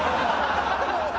ハハハハ！